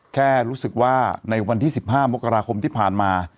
แค่รู้สึกว่าในวันที่๑๕มกราคมที่ผ่านมา